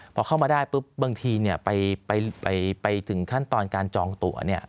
พอเข้ามาได้ปุ๊บบางทีเนี่ยไปถึงขั้นตอนการจองตั๋วเนี่ย